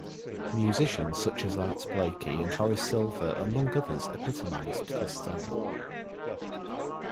Musicians such as Art Blakey and Horace Silver among others epitomised this style.